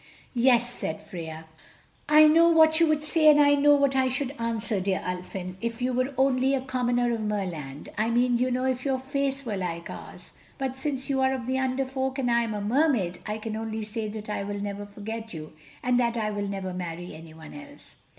"Yes," said Freia; "I know what you would say and I know what I should answer, dear Ulfin, if you were only a commoner of Merland ... I mean, you know, if your face were like ours. But since you are of the Under Folk and I am a Mermaid, I can only say that I will never forget you, and that I will never marry anyone else."